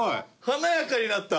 華やかになった。